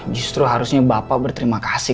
justru harusnya bapak berterima kasih